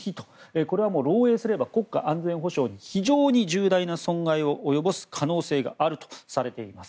これは漏洩すれば国家安全保障に非常に重大な損害を及ぼす可能性があるとされています。